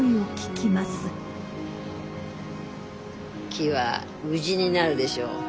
木は家になるでしょう。